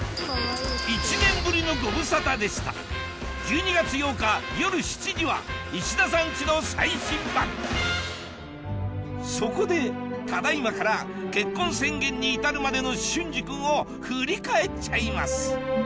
１年ぶりのご無沙汰でした１２月８日夜７時は石田さんチの最新版そこでただ今から結婚宣言に至るまでの隼司君を振り返っちゃいます！